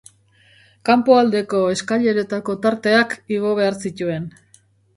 Kanpoaldeko eskaileretako tarteak igo behar zituen.